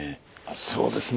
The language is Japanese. そうですね。